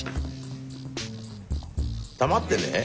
弾ってね